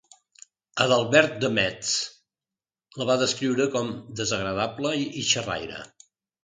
Adalbert de Metz la va descriure com desagradable i xerraire.